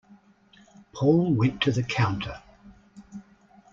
Paul went to the counter.